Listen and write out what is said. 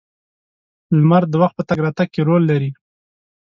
• لمر د وخت په تګ راتګ کې رول لري.